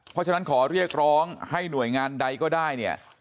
เพราะฉะนั้นขอเรียกร้องให้หน่วยงานใดก็ได้เนี่ย